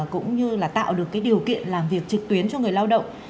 cũng như là tạo được cái điều kiện làm việc trực tuyến cho người lao động